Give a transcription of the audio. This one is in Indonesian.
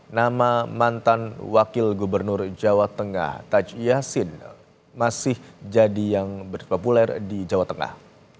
nama mantan wakil gubernur jawa tengah taj yassin masih jadi yang populer di jawa tengah